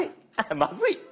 まずい？